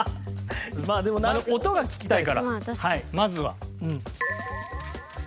まあでも音が聞きたいからまずは。